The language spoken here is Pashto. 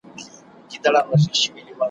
ښکلی زلمی در څخه تللی وم بوډا راځمه ,